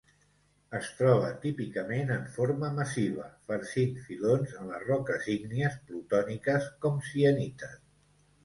Es troba típicament en forma massiva, farcint filons en les roques ígnies plutòniques com sienites.